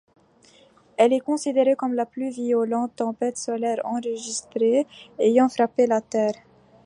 Elle est considérée comme la plus violente tempête solaire enregistrée ayant frappé la Terre.